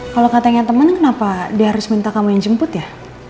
kalau katanya teman kenapa dia harus minta kamu yang jemput ya